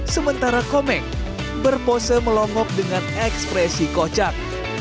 sementara komeng berpose melomok dengan ekspresi kocak